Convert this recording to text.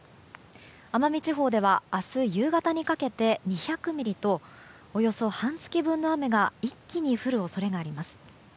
奄美地方では明日夕方にかけて２００ミリとおよそ半月分の雨が一気に降る恐れがあります。